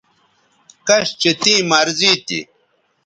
کش چہ تیں مرضی تھی